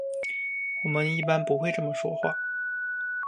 我们一般不会这么说话。